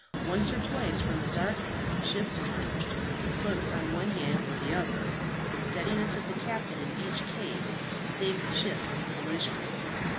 Once or twice from the darkness ships emerged, close on one hand or the other; but the steadiness of the captain in each case saved the ship from collision.